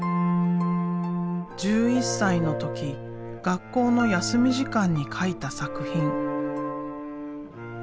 １１歳の時学校の休み時間に描いた作品。